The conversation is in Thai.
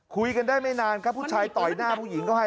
คุยกันได้ไม่นานครับผู้ชายต่อยหน้าผู้หญิงเขาให้